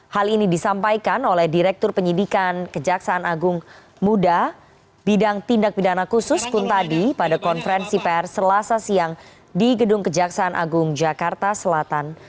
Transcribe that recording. hal ini disampaikan oleh direktur penyidikan kejaksaan agung muda bidang tindak pidana khusus kuntadi pada konferensi pr selasa siang di gedung kejaksaan agung jakarta selatan